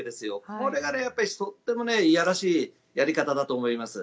これがとってもいやらしいやり方だと思います。